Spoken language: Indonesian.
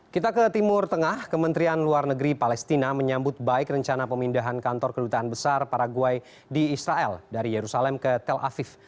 kita ke timur tengah kementerian luar negeri palestina menyambut baik rencana pemindahan kantor kedutaan besar paraguay di israel dari yerusalem ke tel aviv